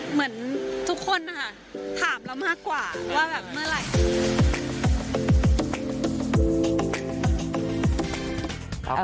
เหมือนทุกคนนะคะถามเรามากกว่าว่าแบบเมื่อไหร่